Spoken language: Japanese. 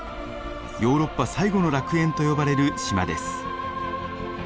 ヨーロッパ最後の楽園と呼ばれる島です。